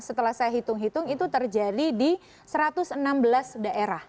setelah saya hitung hitung itu terjadi di satu ratus enam belas daerah